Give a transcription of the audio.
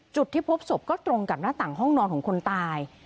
จุดที่พบศพก็ตรงกับหน้าต่างห้องนอนของคนตาย